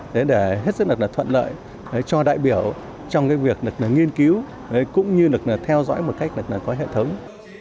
để hết sức thuận lợi cho đại biểu trong việc nghiên cứu cũng như theo dõi một cách có hệ thống